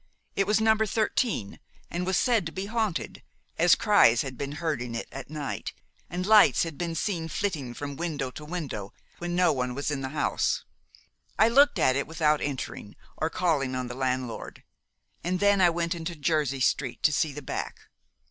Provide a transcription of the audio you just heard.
It was No. 13, and was said to be haunted, as cries had been heard in it at night, and lights had been seen flitting from window to window when no one was in the house. I looked at it without entering, or calling on the landlord, and then I went into Jersey Street to see the back.